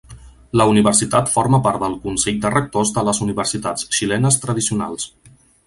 La universitat forma part del Consell de rectors de les universitats xilenes tradicionals.